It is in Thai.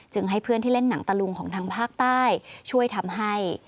ให้เพื่อนที่เล่นหนังตะลุงของทางภาคใต้ช่วยทำให้